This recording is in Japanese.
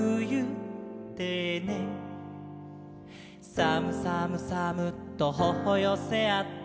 「さむさむさむっとほほよせあって」